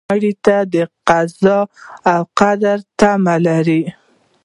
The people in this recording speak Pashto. مړه ته د قضا او قدر تمه لرو